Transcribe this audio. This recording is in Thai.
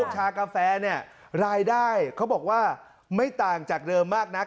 ชากาแฟเนี่ยรายได้เขาบอกว่าไม่ต่างจากเดิมมากนัก